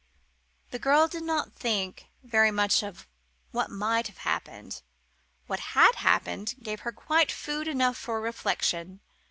The girl did not think very much of what might have happened. What had happened gave her quite food enough for reflection.